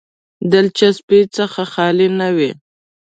دلچسپۍ څخه خالي نه وي.